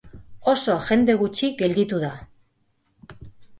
Oso jende gutxi gelditu da.